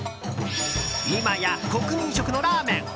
今や国民食のラーメン。